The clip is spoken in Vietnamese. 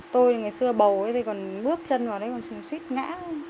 tôi ngày xưa bầu ấy thì còn bước chân vào đấy còn xuyết ngã